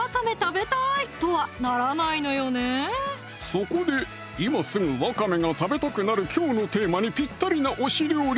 そこで今すぐわかめが食べたくなるきょうのテーマにぴったりな推し料理